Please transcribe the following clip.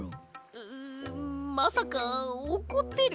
ううまさかおこってる？